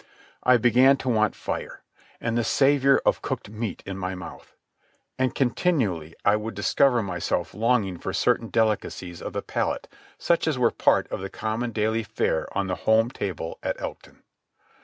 I began to want fire, and the savour of cooked meat in my mouth. And continually I would discover myself longing for certain delicacies of the palate such as were part of the common daily fare on the home table at Elkton.